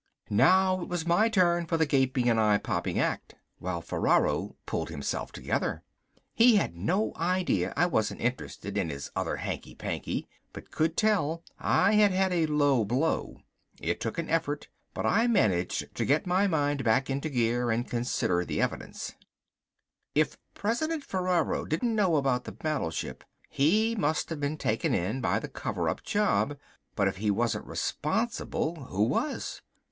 Now it was my turn for the gaping and eye popping act while Ferraro pulled himself together. He had no idea I wasn't interested in his other hanky panky, but could tell I had had a low blow. It took an effort, but I managed to get my mind back into gear and consider the evidence. If President Ferraro didn't know about the battleship, he must have been taken in by the cover up job. But if he wasn't responsible who was?